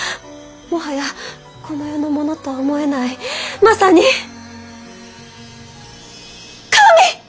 もはやこの世のものとは思えないまさに神！